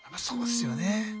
そうですよね。